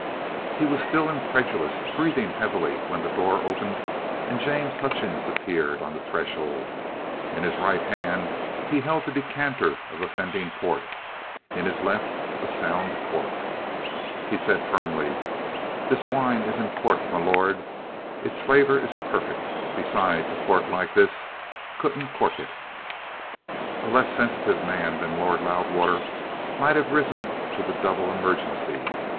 He was still incredulous, breathing heavily, when the door opened and James Hutchings appeared on the threshold. In his right hand he held the decanter of offending port, in his left a sound cork. He said firmly: "This wine isn't corked, m'lord. Its flavour is perfect. Besides, a cork like this couldn't cork it." A less sensitive man than Lord Loudwater might have risen to the double emergency.